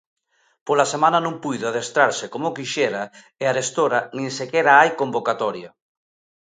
Pola semana non puido adestrarse como quixera e arestora nin sequera hai convocatoria.